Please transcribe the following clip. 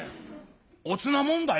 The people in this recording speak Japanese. おつなもんだよ？」。